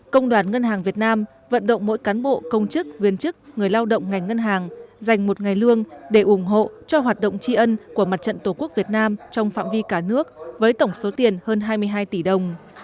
công đoàn ngân hàng việt nam vận động mỗi cán bộ công chức viên chức người lao động ngành ngân hàng dành một ngày lương để ủng hộ cho hoạt động tri ân của mặt trận tổ quốc việt nam trong phạm vi cả nước với tổng số tiền hơn hai mươi hai tỷ đồng